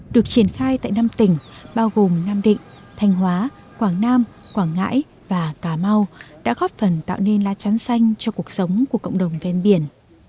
được triển khai tại năm tỉnh bao gồm nam định thanh hóa quảng nam quảng ngãi và cà mau đã góp phần tạo nên lá trắng xanh cho cuộc sống của cộng đồng ven biển